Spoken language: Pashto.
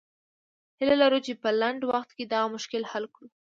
هیله لرو چې په لنډ وخت کې دغه مشکل حل کړو.